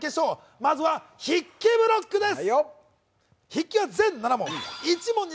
まずは筆記ブロックです！